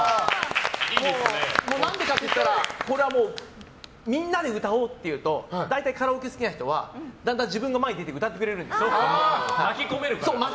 何でかって言ったらこれはみんなで歌おうっていうと大体、カラオケ好きな人はだんだん自分が前に出て巻き込めるから。